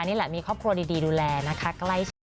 นี่แหละมีครอบครัวดีดูแลนะคะ